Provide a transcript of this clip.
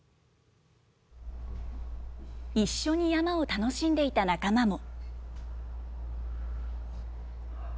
一緒に山を楽しんでいた仲間も。